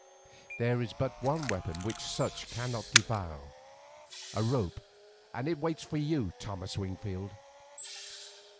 There is but one weapon which such cannot defile, a rope, and it waits for you, Thomas Wingfield."